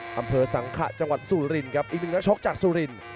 สร้างข้าจังหวัดสุรินครับอีกหนึ่งนักช็อกจากสุริน